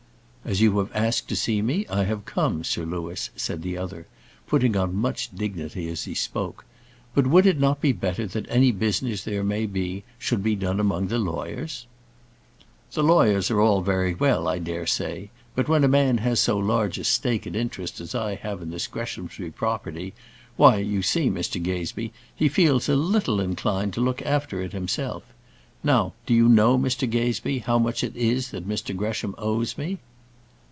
"As you have asked to see me, I have come, Sir Louis," said the other, putting on much dignity as he spoke. "But would it not be better that any business there may be should be done among the lawyers?" "The lawyers are very well, I dare say; but when a man has so large a stake at interest as I have in this Greshamsbury property, why, you see, Mr Gazebee, he feels a little inclined to look after it himself. Now, do you know, Mr Gazebee, how much it is that Mr Gresham owes me?"